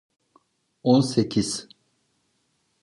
On sekiz.